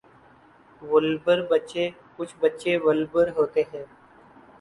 وولبر بچے کچھ بچے وولبر ہوتے ہیں۔